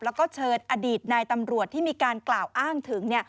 แล้วก็เชิญอดีตนายตำรวจที่มีการกล่าวอ้างถึง